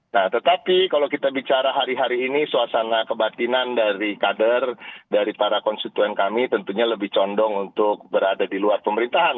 nah tetapi kalau kita bicara hari hari ini suasana kebatinan dari kader dari para konstituen kami tentunya lebih condong untuk berada di luar pemerintahan